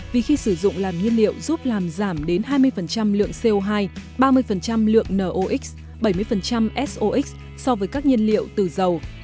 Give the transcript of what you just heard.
vì khi sử dụng làm nhiên liệu giúp làm giảm đến hai mươi lượng co hai ba mươi lượng nox bảy mươi sox so với các nhiên liệu từ dầu